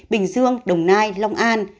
bình dương đồng nai long an